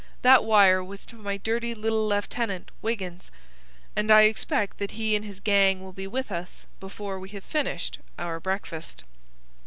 That wire was to my dirty little lieutenant, Wiggins, and I expect that he and his gang will be with us before we have finished our breakfast."